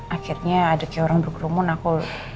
akhirnya ada kayak orang bergrumun aku